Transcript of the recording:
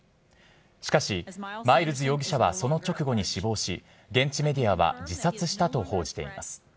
しかしマイルズ容疑者はその直後に死亡し現地メディアは自殺したと報じています。